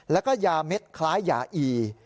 แล้วก็ยาเม็ดคล้ายยาอี